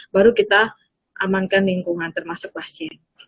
baru kita amankan lingkungan termasuk pasien